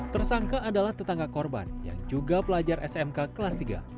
tersangka adalah tetangga korban yang juga pelajar smk kelas tiga